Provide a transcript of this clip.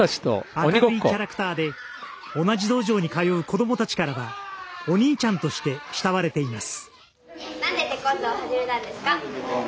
明るいキャラクターで同じ道場に通う子どもたちからはお兄ちゃんとして慕われています。